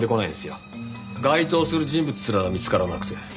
該当する人物すら見つからなくて。